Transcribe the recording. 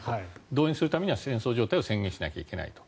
動員するためには戦争状態を宣言しないといけないと。